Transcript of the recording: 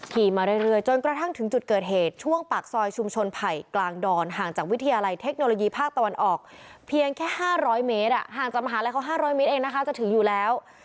มาเรื่อยจนกระทั่งถึงจุดเกิดเหตุช่วงปากซอยชุมชนไผ่กลางดอนห่างจากวิทยาลัยเทคโนโลยีภาคตะวันออกเพียงแค่๕๐๐เมตรห่างจากมหาลัยเขา๕๐๐เมตรเองนะคะจะถึงอยู่แล้ว